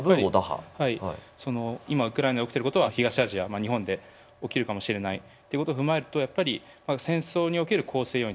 その今ウクライナで起きてることは東アジア日本で起きるかもしれないということを踏まえるとやっぱり戦争における構成要因